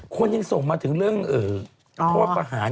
พ่อจะส่งมาถึงเรื่องข้อประหาร